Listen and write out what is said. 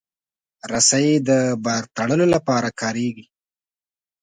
رسۍ د بار تړلو لپاره کارېږي.